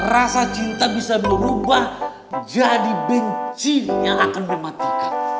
rasa cinta bisa berubah jadi bencinya akan mematikan